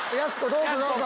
どうぞどうぞ。